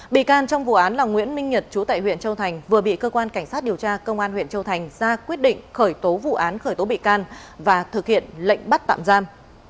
bị can trong vụ án là nguyễn minh nhật chú tại huyện châu thành vừa bị cơ quan cảnh sát điều tra công an huyện châu thành ra quyết định khởi tố vụ án khởi tố bị can và thực hiện lệnh bắt tạm giam